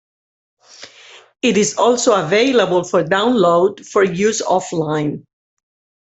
It is also available for download for use off-line.